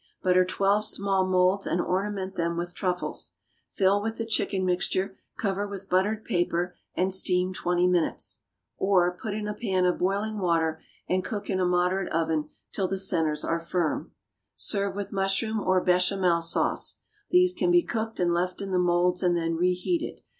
Butter twelve small moulds and ornament them with truffles. Fill with the chicken mixture, cover with buttered paper, and steam twenty minutes. Or, put in a pan of boiling water and cook in a moderate oven till the centres are firm. Serve with mushroom or bechamel sauce. These can be cooked and left in the moulds and then reheated.